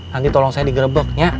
nanti tolong saya digerebek ya